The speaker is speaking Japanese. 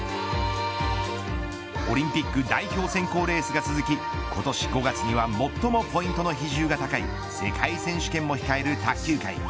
オリンピック代表選考レースが続き今年５月には最もポイントの比重が高い世界選手権も控える卓球界。